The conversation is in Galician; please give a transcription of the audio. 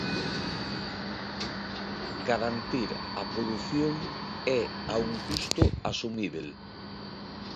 Garantir a produción e a un custo asumíbel.